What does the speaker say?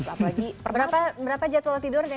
berapa jadwal tidur yang di courting